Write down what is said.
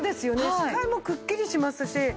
視界もくっきりしますし。